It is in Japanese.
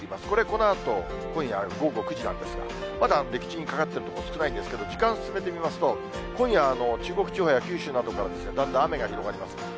これ、このあと今夜午後９時なんですが、まだ陸地にかかってる所、少ないんですけど、時間進めてみますと、今夜、中国地方や九州などからだんだん雨が広がります。